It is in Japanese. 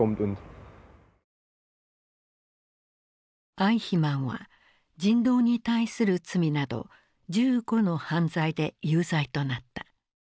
アイヒマンは「人道に対する罪」など１５の犯罪で有罪となった。